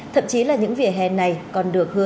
thậm chí là những vỉa hè này còn được hưởng